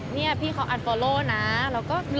นี่พี่เขาอันฟอร์โลนะแล้วก็